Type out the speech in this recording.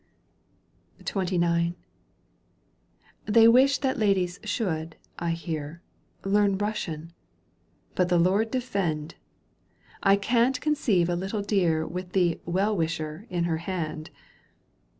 *^ XXIX. They wish that ladies should, I hear, Learn Eussian, but the Lord defend ! I can't conceive a little dear With the " Well Wisher " in her hand